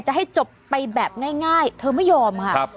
จะให้จบไปแบบง่ายเธอไม่ยอมค่ะ